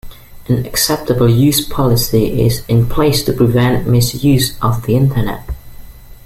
An acceptable use policy is in place to prevent misuse of the Internet.